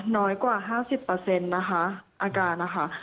น้อยกว่า๕๐อาการนะคะ